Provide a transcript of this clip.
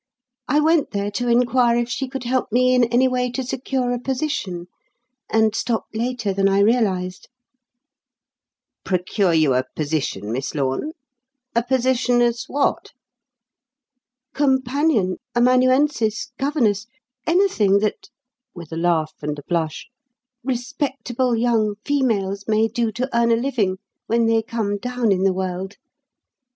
I went there to inquire if she could help me in any way to secure a position; and stopped later than I realised." "Procure you a position, Miss Lorne? A position as what?" "Companion, amanuensis, governess anything that," with a laugh and a blush, "'respectable young females' may do to earn a living when they come down in the world.